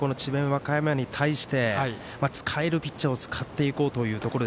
和歌山に対して使えるピッチャーを使っていこうというところ。